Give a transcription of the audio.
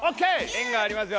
「えん」がありますよ